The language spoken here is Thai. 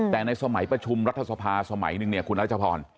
แต่ในสมัยประชุมรัฐสภาสมัยหนึ่งเนี่ยคุณรัชพร